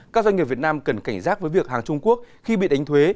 các doanh nghiệp việt nam cần cảnh giác với việc hàng trung quốc khi bị đánh thuế